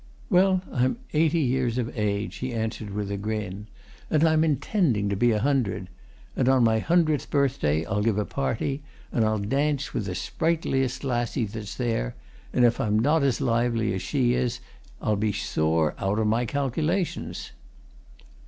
"Well I'm eighty years of age," he answered with a grin. "And I'm intending to be a hundred! And on my hundredth birthday, I'll give a party, and I'll dance with the sprightliest lassie that's there, and if I'm not as lively as she is I'll be sore out of my calculations."